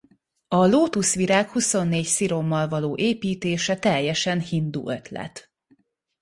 A lótuszvirág huszonnégy szirommal való építése teljesen hindu ötlet.